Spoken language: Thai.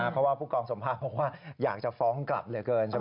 เพราะว่าผู้กองสมภาพอยากจะฟ้องกลับเหลือเกิน